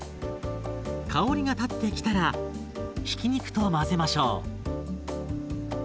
香りが立ってきたらひき肉と混ぜましょう。